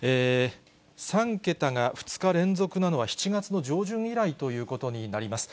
３桁が２日連続なのは、７月の上旬以来ということになります。